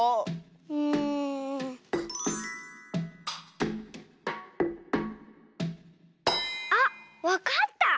うん。あっわかった！